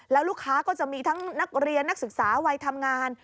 แล้วลูกค้าก็จะมีทั้งนักเรียนนักศึกษาวัยทำงาน